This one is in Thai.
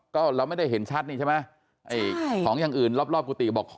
ก็เราไม่ได้เห็นชัดนี่ใช่ไหมไอ้ของอย่างอื่นรอบรอบกุฏิบอก